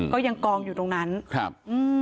ก็ยังกองอยู่ตรงนั้นอืมครับ